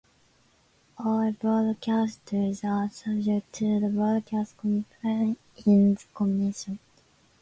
All broadcasters are subject to the Broadcast Complaints Commission.